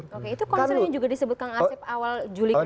oke itu concern yang juga disebut kang asep awal juli kemarin